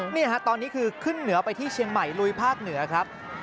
นี่ฮะตอนนี้คือขึ้นเหนือไปที่เชียงใหม่ลุยภาคเหนือครับ